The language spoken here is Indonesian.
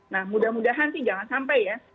nah mudah mudahan sih jangan sampai ya